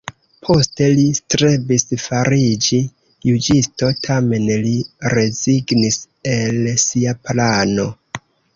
Poste li strebis fariĝi juĝisto tamen li rezignis el sia plano.